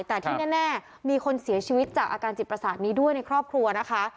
แต่ที่แน่มีคนเสียชีวิตจากอาการจิตประสาทนี้ด้วยในครอบครัวนะคะ